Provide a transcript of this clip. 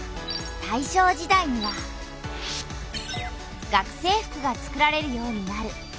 大正時代には学生服がつくられるようになる。